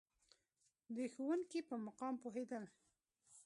د ښوونکي په مقام پوهېدل.